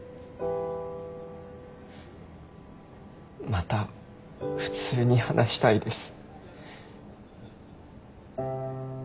また普通に話したいです。